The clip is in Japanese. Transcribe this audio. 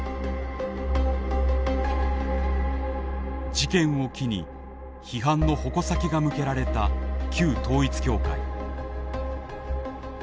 事件を機に批判の矛先が向けられた旧統一教会。